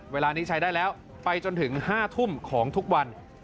เวลานี้ใช้ได้แล้วไปจนถึง๕ทุ่มของทุกวัน